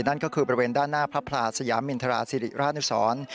นั่นก็คือบริเวณด้านหน้าพระพลาสยามินทราศิริราชนุสร